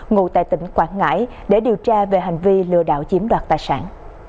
ngụ tại tỉnh quảng ngãi để điều tra về hành vi lừa đảo chiếm đoạt tài sản